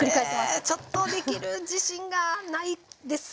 これちょっとできる自信がないですね。